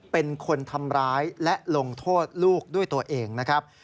เป็นคนทำร้ายและลงโทษลูกด้วยตัวเองนะครับ